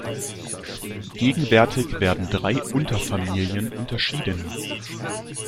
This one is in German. Gegenwärtig werden drei Unterfamilien unterschieden.